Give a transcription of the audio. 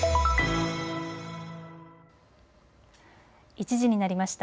１時になりました。